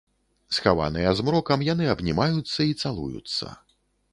Схаваныя змрокам, яны абнімаюцца і цалуюцца.